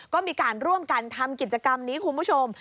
ก็มีการร่วมกันทำกิจกรรมนี้คุณผู้ชม